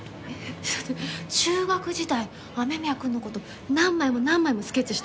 だって中学時代雨宮くんの事何枚も何枚もスケッチして。